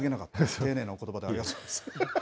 丁寧なことばでありがとうございます。